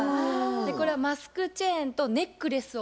これはマスクチェーンとネックレスを。